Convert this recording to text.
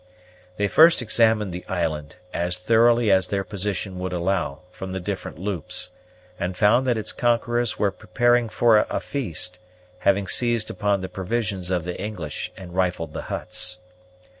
They first examined the island, as thoroughly as their position would allow, from the different loops, and found that its conquerors were preparing for a feast, having seized upon the provisions of the English and rifled the huts.